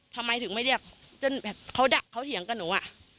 ทำไมถึงไม่เรียกจนแบบเขาดักเขาเถียงกับหนู